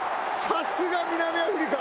さすが南アフリカ。